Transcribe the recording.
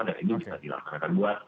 dan ini bisa dilakukan karena kan buat